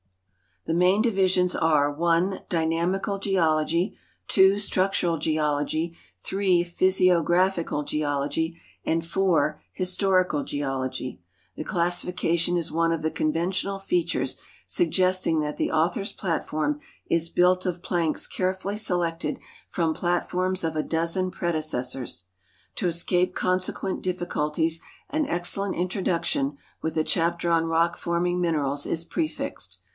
The main divisions are (1) Dynamical Geology, (2) Structural Geology, (3) Physiographical Geology, and (4) Historical Geology. The classifica tion is one of the conventional features suggesting that the author's plat form is built of planks carefully selected from platforms of a dozen prede cessors. To escape consequent difficulties an excellent introduction, with a chapter on rock forming minerals, is prefixed.